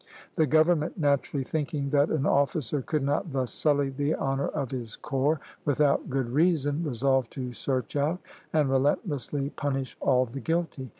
The government, naturally thinking that an officer could not thus sully the honor of his corps without good reason, resolved to search out and relentlessly punish all the guilty.